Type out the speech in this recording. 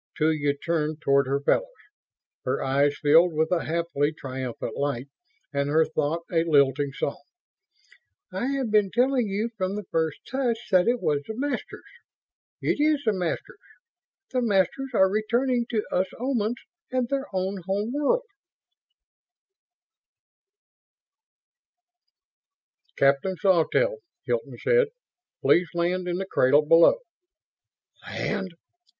Tula turned toward her fellows. Her eyes filled with a happily triumphant light and her thought a lilting song. "I have been telling you from the first touch that it was the Masters. It is the Masters! The Masters are returning to us Omans and their own home world!" "Captain Sawtelle," Hilton said, "Please land in the cradle below." "_Land!